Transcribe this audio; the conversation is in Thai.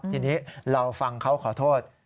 ทีนี้เราฟังเขาขอโทษ